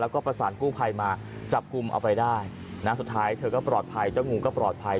แล้วก็ประสานกู้ภัยมาจับกลุ่มเอาไปได้นะสุดท้ายเธอก็ปลอดภัยเจ้างูก็ปลอดภัย